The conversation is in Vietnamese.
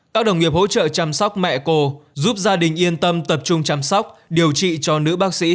các đồng nghiệp hỗ trợ chăm sóc mẹ cô giúp gia đình yên tâm tập trung chăm sóc điều trị cho nữ bác sĩ